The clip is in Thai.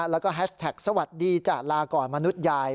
แล้วก็แฮชแท็กสวัสดีจ้ะลาก่อนมนุษยาย